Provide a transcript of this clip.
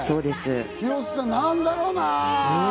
広瀬さん、なんだろうな？